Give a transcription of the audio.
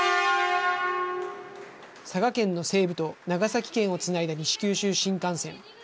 佐賀県の西部と長崎県をつないだ西九州新幹線。